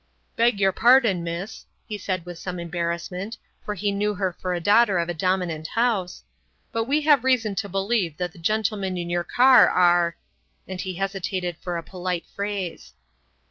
"Beg your pardon, miss," he said with some embarrassment, for he knew her for a daughter of a dominant house, "but we have reason to believe that the gentlemen in your car are " and he hesitated for a polite phrase.